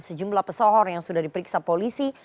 sejumlah pesohor yang sudah diperiksa polisi